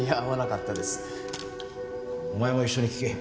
お前も一緒に聞け。